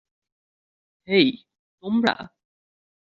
হেই, তোমরা!